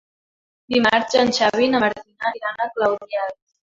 Dimarts en Xavi i na Martina iran a Caudiel.